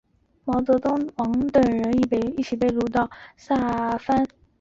毛凤朝同尚宁王等人一起被掳到萨摩藩。